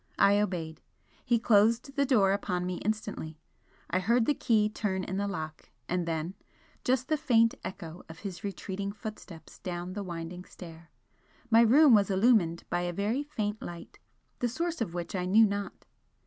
I obeyed. He closed the door upon me instantly I heard the key turn in the lock and then just the faint echo of his retreating footsteps down the winding stair. My room was illumined by a very faint light, the source of which I knew not.